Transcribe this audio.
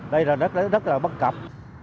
đây là rất là bất cập